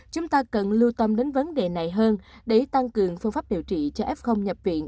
chúng ta cần lưu tâm đến vấn đề này hơn để tăng cường phương pháp điều trị cho f nhập viện